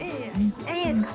◆いいですか？